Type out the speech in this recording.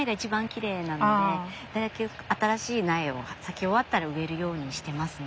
新しい苗を咲き終わったら植えるようにしてますね。